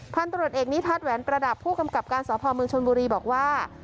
พันตรวจเอกนี้พัดแหวนประดับผู้กำกับการสภมชนบุรีบอกว่า